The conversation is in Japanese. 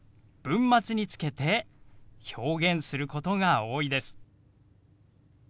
文末につけて表現することが多いです。